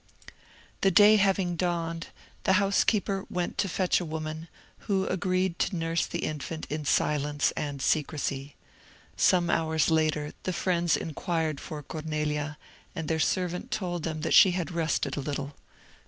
The day having dawned, the housekeeper went to fetch a woman, who agreed to nurse the infant in silence and secrecy. Some hours later the friends inquired for Cornelia, and their servant told them that she had rested a little.